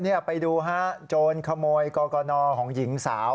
นี่ไปดูฮะโจรขโมยกรกนของหญิงสาว